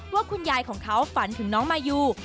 ว่าคุณยายของเขาฝันถึงน้องมายู